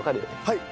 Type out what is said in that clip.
はい。